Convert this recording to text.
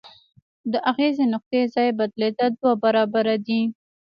د اغیزې نقطې ځای بدلیدل دوه برابره دی.